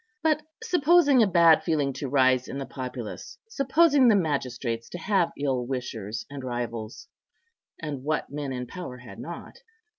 But, supposing a bad feeling to rise in the populace, supposing the magistrates to have ill wishers and rivals—and what men in power had not?